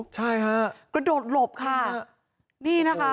ใช่ค่ะกระโดดหลบค่ะนี่นะคะ